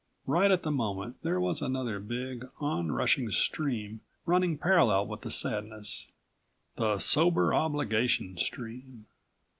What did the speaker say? Right at the moment there was another big, onrushing stream running parallel with the sadness. The sober obligation stream.